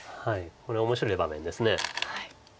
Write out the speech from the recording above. これ面白い場面です。